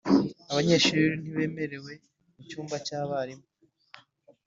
abanyeshuri ntibemerewe mu cyumba cyabarimu.